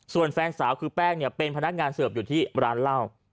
ส่วนแฟนสาวคือแป้งเนี่ยเป็นพนักงานเสิร์ฟอยู่ที่ร้านเหล้า